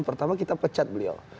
pertama kita pecat beliau